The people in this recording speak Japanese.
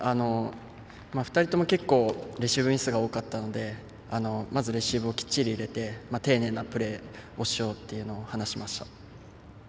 ２人とも結構レシーブミスが多かったのでまずレシーブをきっちり入れて丁寧なプレーをしようというのを話しました。